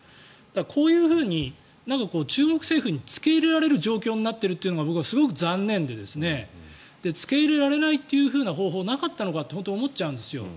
こういうふうに中国政府に付け入れられる状況になっているのが僕はすごく残念で付け入れられない方法はなかったのかと思っちゃうんですよ。